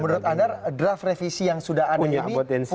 dan menurut anda draft revisi yang sudah ada ini punya potensi seperti itu